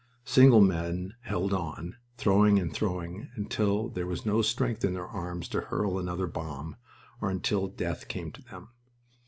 Single men held on, throwing and throwing, until there was no strength in their arms to hurl another bomb, or until death came to them.